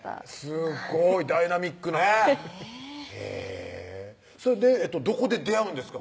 すごいダイナミックねへぇそれでどこで出会うんですか？